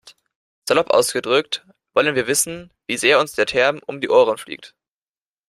Salopp ausgedrückt wollen wir wissen, wie sehr uns der Term um die Ohren fliegt.